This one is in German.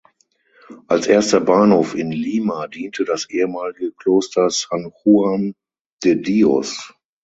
Als erster Bahnhof in Lima diente das ehemalige Kloster "San Juan de Dios".